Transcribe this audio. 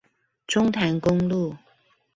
中潭公路